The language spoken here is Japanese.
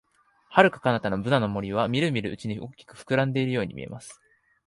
遥か彼方のブナの森は、みるみるうちに大きく膨らんでいくように見えます。